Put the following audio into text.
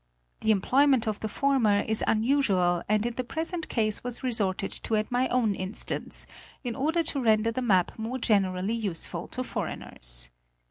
The employment of the former is unusual and in the present case was resorted to at my own instance, in order to ren der the map more generally useful to foreigners.